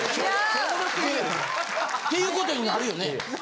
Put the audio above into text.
ていうことになるよね？